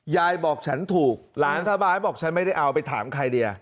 ยายบอกฉันถูกหลานสบายบอกฉันไม่ได้เอาไปถามใครดีอ่ะ